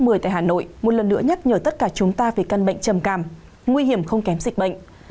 tại hà nội một lần nữa nhắc nhở tất cả chúng ta về căn bệnh trầm cảm nguy hiểm không kém dịch bệnh